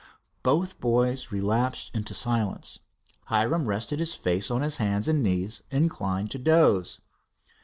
Both boys relapsed into silence. Hiram rested his face on his hands and his knees, inclined to doze.